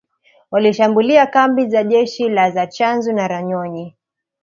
walishambulia kambi za jeshi la za Tchanzu na Runyonyi